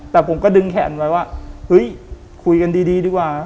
แต่ผมก็ดึงแขนไว้ว่าเฮ้ยคุยกันดีดีกว่า